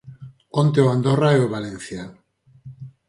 Onte o Andorra e o Valencia.